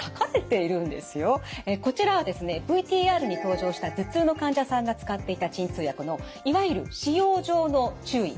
こちらはですねＶＴＲに登場した頭痛の患者さんが使っていた鎮痛薬のいわゆる「使用上の注意」